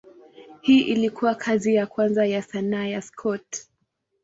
Hii ilikuwa kazi ya kwanza ya sanaa ya Scott.